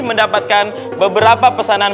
mendapatkan beberapa pesanan